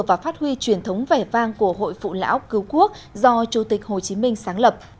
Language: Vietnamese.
và phát huy truyền thống vẻ vang của hội phụ lão cứu quốc do chủ tịch hồ chí minh sáng lập